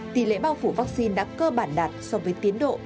tỷ lệ bao phủ vaccine đã cơ bản đạt so với tiến độ